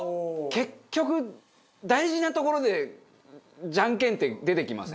結局大事なところでジャンケンって出てきません？